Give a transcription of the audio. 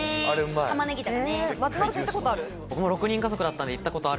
松丸君、行ったことある？